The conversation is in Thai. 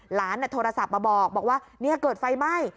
หลานโทรศัพท์มาบอกว่าเกิดไฟไหม้